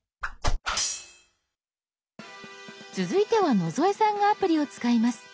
続いては野添さんがアプリを使います。